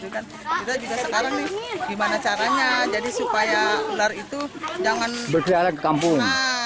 kita juga sekarang nih gimana caranya jadi supaya ular itu jangan berjualan ke kampung